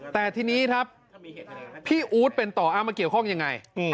แต่ทีนี้ครับพี่อู๊ดเป็นต่อเอามาเกี่ยวข้องยังไง